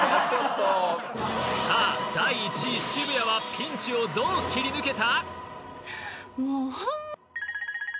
さあ第１位渋谷はピンチをどう切り抜けた？